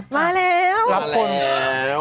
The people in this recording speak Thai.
มาแล้ว